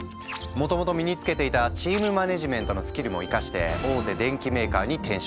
もともと身につけていたチームマネジメントのスキルも生かして大手電機メーカーに転職。